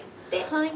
はい。